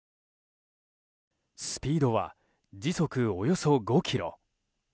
スピードは、時速およそ５キロ。